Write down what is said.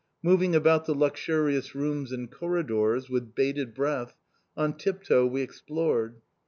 Moving about the luxurious rooms and corridors, with bated breath, on tip toe we explored.